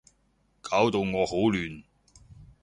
搞到我好亂